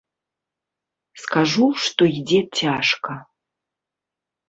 Скажу, што ідзе цяжка.